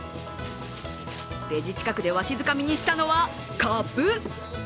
レジ近くでわしづかみにしたのは、かぶ。